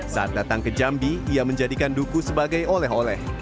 saat datang ke jambi ia menjadikan duku sebagai oleh oleh